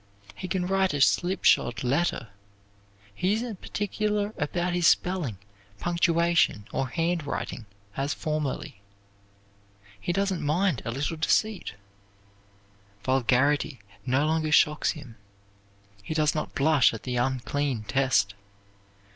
He can write a slipshod letter. He isn't particular about his spelling, punctuation, or handwriting, as formerly. He doesn't mind a little deceit. Vulgarity no longer shocks him. He does not blush at the unclean test.